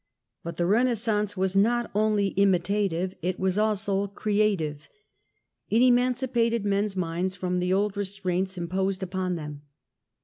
But the Renaissance was not only imitative : it was also creative. It emancipated men's minds from the old restraints imposed upon them.